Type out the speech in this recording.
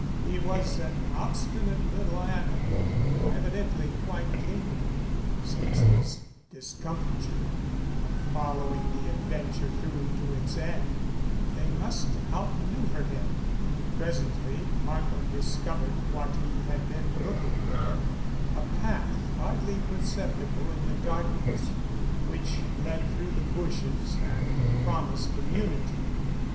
He was an obstinate little animal, evidently quite capable, since his discomfiture, of follow ing the adventure through to its end. They must outman euver him. Presently Markham discovered what he had been looking for a path hardly perceptible in the dark ness, which led through the bushes and promised immu nity.